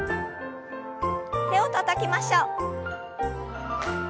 手をたたきましょう。